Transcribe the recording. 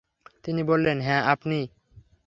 তিনি বললেন, হ্যাঁ, আপনিই।